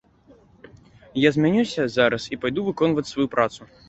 Я змянюся зараз і пайду выконваць сваю працу.